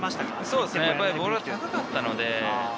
そうですね、やっぱりボールが高かったので。